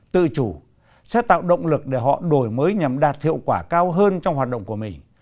tự chủ sẽ tạo động lực để họ đổi mới nhằm đạt hiệu quả cao hơn trong hoạt động của mình